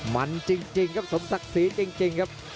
มันจริงก็สมศักดิ์สีครับ